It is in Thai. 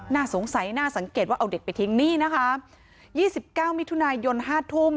น่าสงสัยน่าสังเกตว่าเอาเด็กไปทิ้งนี่นะคะยี่สิบเก้ามิถุนายนห้าทุ่ม